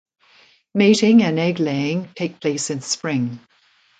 Mating and egg laying take place in spring.